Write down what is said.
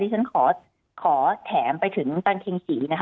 นี่ฉันขอแถมไปถึงตันเครงสีนะคะ